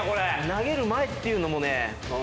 投げる前っていうのもね。